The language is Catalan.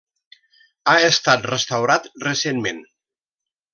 Ha estat restaurat recentment.